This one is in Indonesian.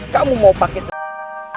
kamu mau pakai tenaga